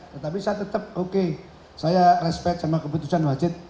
tetapi saya tetap oke saya respect sama keputusan wajit